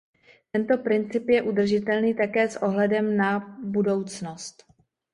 Tento princip je udržitelný také s ohledem na budoucnost.